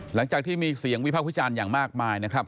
หลังจากที่มีเสียงวิพากษ์วิจารณ์อย่างมากมายนะครับ